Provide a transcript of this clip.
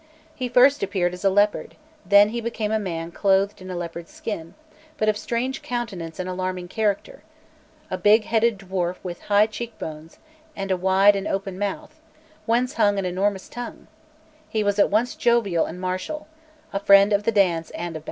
He first appeared as a leopard; then he became a man clothed in a leopard's skin, but of strange countenance and alarming character, a big headed dwarf with high cheek bones, and a wide and open mouth, whence hung an enormous tongue; he was at once jovial and martial, the friend of the dance and of battle.